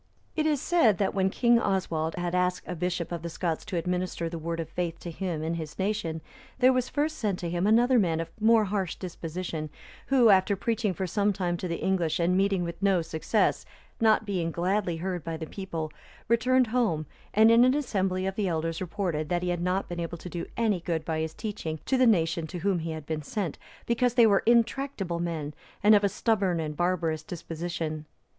It is said, that when King Oswald had asked a bishop of the Scots to administer the Word of faith to him and his nation, there was first sent to him another man of more harsh disposition,(312) who, after preaching for some time to the English and meeting with no success, not being gladly heard by the people, returned home, and in an assembly of the elders reported, that he had not been able to do any good by his teaching to the nation to whom he had been sent, because they were intractable men, and of a stubborn and barbarous disposition.